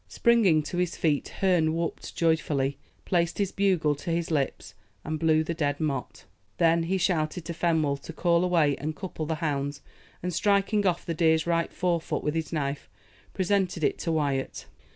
Springing to his feet, Herne whooped joyfully, placed his bugle to his lips, and blew the dead mot. He then shouted to Fenwolf to call away and couple the hounds, and, striking off the deer's right forefoot with his knife, presented it to Wyat.